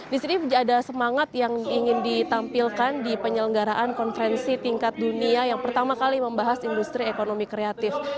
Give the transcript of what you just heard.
di sini ada semangat yang ingin ditampilkan di penyelenggaraan konferensi tingkat dunia yang pertama kali membahas industri ekonomi kreatif